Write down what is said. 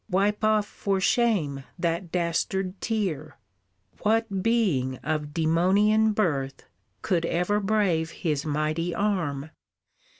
Wipe off for shame that dastard tear! What being of demonian birth Could ever brave his mighty arm?